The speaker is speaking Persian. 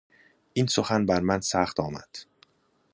این سخن بر من سخت آمد.